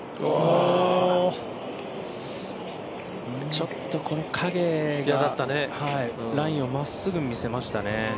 ちょっとこの影がラインをまっすぐ見せましたね。